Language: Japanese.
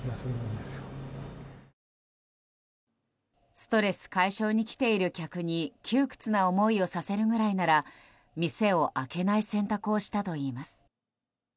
ストレス解消に来ている客に窮屈な思いをさせるぐらいなら店を開けない選択をしたといいます。